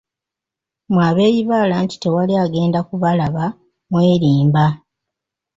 Mmwe abeeyibaala nti tewali agenda kubalaba mwerimba!